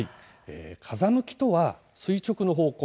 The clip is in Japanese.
風向きとは垂直の方向